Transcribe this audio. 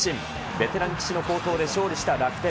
ベテラン、岸の好投で勝利した楽天。